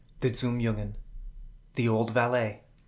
The Zum Jungen. The Old Valet.